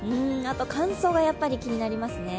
乾燥がやっぱり気になりますね。